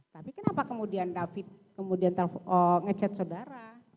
tapi kenapa kemudian david ngechat saudara